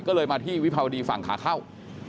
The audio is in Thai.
ก็เลยมาที่วิภาวดีฝั่งขาเข้า